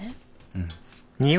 うん。